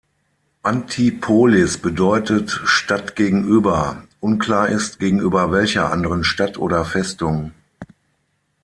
Antipolis bedeutet „Stadt gegenüber“; unklar ist, gegenüber welcher anderen Stadt oder Festung.